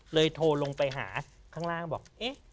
โทรลงไปหาข้างล่างบอกเอ๊ะ